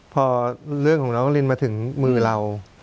พอเรื่องของน้องลินมาถึงมือเรา